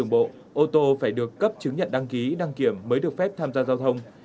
bộ ô tô phải được cấp chứng nhận đăng ký đăng kiểm mới được phép tham gia giao thông